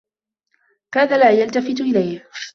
كاد لا يلتفت إليه.